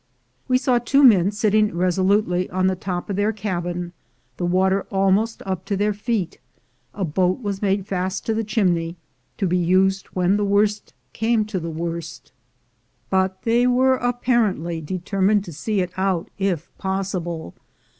We saw two men sitting resolutely on the top of their cabin, the water almost up to their feet; a boat was made fast to the chimney, to be used when the worst came to the worst, but they were apparently determined to see it out if pos sible.